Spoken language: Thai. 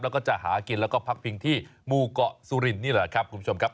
แล้วก็จะหากินแล้วก็พักพิงที่หมู่เกาะสุรินนี่แหละครับคุณผู้ชมครับ